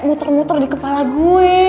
muter muter di kepala gue